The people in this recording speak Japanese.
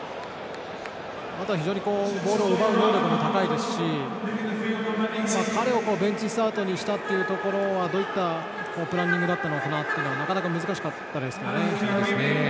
非常にボールを奪う能力も高いですし彼をベンチスタートにしたところどういったプランニングだったのかなかなか難しかったですね。